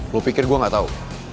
lo pikir gue gak tau